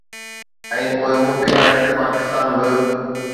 ۽ پوءِ ممڪن آهي ته پاڪستان به